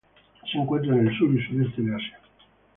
Se encuentra en el sur y Sudeste de Asia.